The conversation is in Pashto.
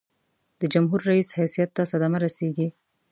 د جمهور رئیس حیثیت ته صدمه رسيږي.